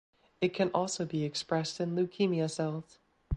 It can also be expressed in leukemia cells.